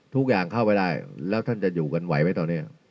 เข้าไปได้แล้วท่านจะอยู่กันไหวไหมตอนนี้